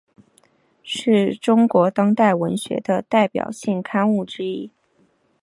是中国当代文学的代表性刊物之一。